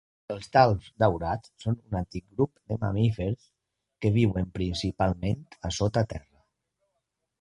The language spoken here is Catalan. Els talps daurats són un antic grup de mamífers que viuen principalment a sota terra.